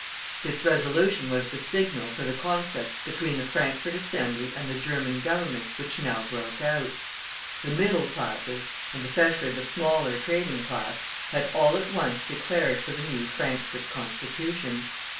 This resolution was the signal for the conflict between the Frankfort Assembly and the German Governments which now broke out. The middle classes, and especially the smaller trading class, had all at once declared for the new Frankfort Constitution.